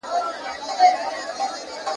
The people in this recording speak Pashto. بزکشي د افغانستان ملي لوبه ده.